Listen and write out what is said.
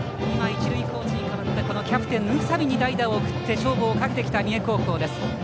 一塁コーチに代わったキャプテン、宇佐美に代わり代打を送って勝負をかけてきた三重高校です。